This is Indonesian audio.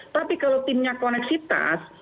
tapi kalau timnya koneksitas